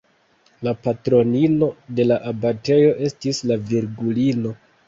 La patronino de la abatejo estis la Virgulino.